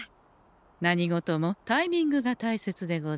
何事もタイミングが大切でござんす。